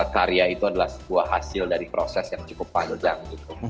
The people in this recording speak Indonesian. karya itu adalah sebuah hasil dari proses yang cukup panjang